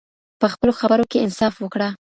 په خپلو خبرو کې انصاف وکړه.